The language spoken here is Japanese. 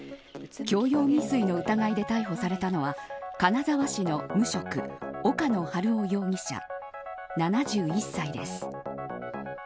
強要未遂の疑いで逮捕されたのは金沢市の無職岡野晴夫容疑者７１歳です。